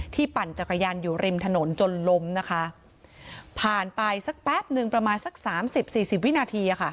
ปั่นจักรยานอยู่ริมถนนจนล้มนะคะผ่านไปสักแป๊บหนึ่งประมาณสักสามสิบสี่สิบวินาที